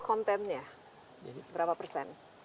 kontennya berapa persen